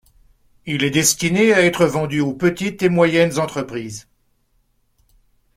Il est destiné à être vendu aux petites et moyennes entreprises.